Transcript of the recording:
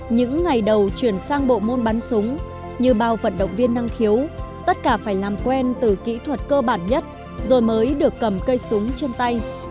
những ngày đầu chuyển sang bộ môn bắn súng như bao vận động viên năng khiếu tất cả phải làm quen từ kỹ thuật cơ bản nhất rồi mới được cầm cây súng trên tay